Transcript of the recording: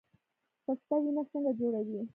پسته وینه څنګه جوړوي؟